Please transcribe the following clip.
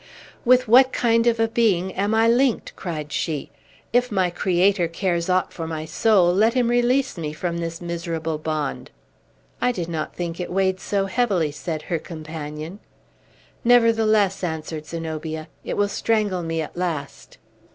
"With what kind of a being am I linked?" cried she. "If my Creator cares aught for my soul, let him release me from this miserable bond!" "I did not think it weighed so heavily," said her companion.. "Nevertheless," answered Zenobia, "it will strangle me at last!"